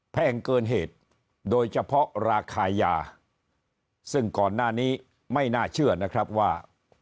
แพงเกินเหตุโดยเฉพาะราคายาซึ่งก่อนหน้านี้ไม่น่าเชื่อนะครับว่า